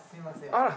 あら。